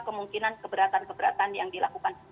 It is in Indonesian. kemungkinan keberatan keberatan yang dilakukan